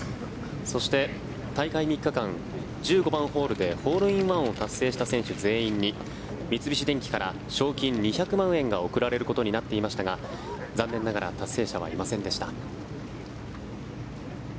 そして大会３日間１５番ホールでホールインワンを達成した選手全員に三菱電機から賞金２００万円が贈られることになっていましたが残念ながら達成者はいませんでした。